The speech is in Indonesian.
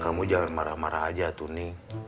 kamu jangan marah marah aja tuni